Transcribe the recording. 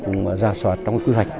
cũng ra soát trong cái quy hoạch